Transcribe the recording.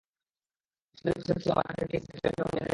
সামুদ্রিক মাছে রয়েছে omega fatty acid, vitamin A এবং ভিটামিন ডি।